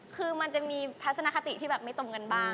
คือมันจะมีทัศนคติที่แบบไม่ตรงกันบ้าง